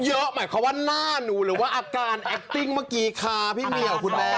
หมายความว่าหน้าหนูหรือว่าอาการแอคติ้งเมื่อกี้ค่ะพี่เหมียวคุณแม่